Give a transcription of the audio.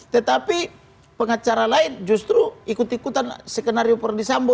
tetapi pengacara lain justru ikut ikutan skenario perdisambo